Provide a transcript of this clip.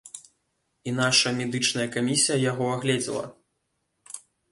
І нашая медычная камісія яго аглядзела.